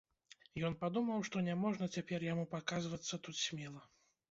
Ён падумаў, што няможна цяпер яму паказвацца тут смела.